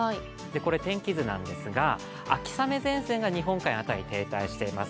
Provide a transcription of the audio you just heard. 天気図なんですが、秋雨前線が日本海あたりに停滞しています。